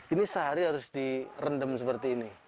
ini sehari harus direndam seperti ini